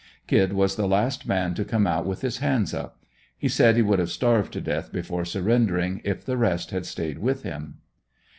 Kid was the last man to come out with his hands up. He said he would have starved to death before surrendering if the rest had stayed with him."